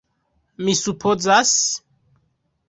Mi supozas?